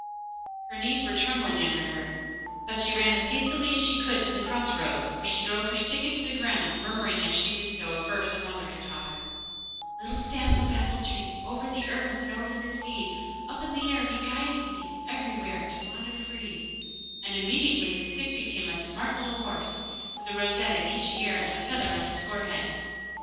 Her knees were trembling under her, but she ran as fast as she could to the cross roads, where she drove her stick into the ground, murmuring as she did so a verse her mother had taught her: Little staff of apple tree, Over the earth and over the sea, Up in the air be guide to me, Everywhere to wander free, and immediately the stick became a smart little horse, with a rosette at each ear and a feather on his forehead.